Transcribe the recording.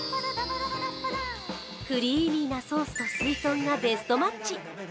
クリーミーなソースとすいとんがベストマッチ。